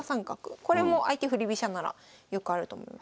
これも相手振り飛車ならよくあると思います。